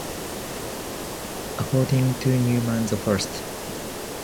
According to Newman the First.